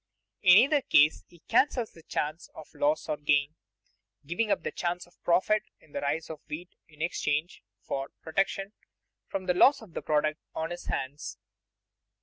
In either case he cancels the chance of loss or gain, giving up the chance of profit in the rise of wheat in exchange for protection from the loss of the product on his hands.